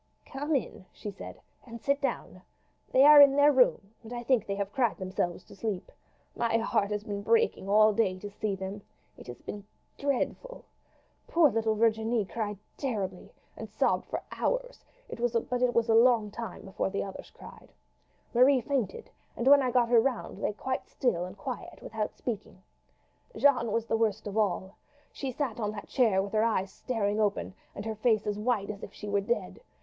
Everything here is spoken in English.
"Come in," she said, "and sit down. They are in their room, and I think they have cried themselves to sleep. My heart has been breaking all day to see them. It has been dreadful. Poor little Virginie cried terribly, and sobbed for hours; but it was a long time before the others cried. Marie fainted, and when I got her round lay still and quiet without speaking. Jeanne was worst of all. She sat on that chair with her eyes staring open and her face as white as if she were dead.